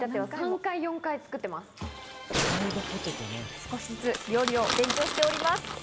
少しずつ料理を勉強しております。